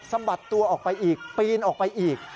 บัดตัวออกไปอีกปีนออกไปอีก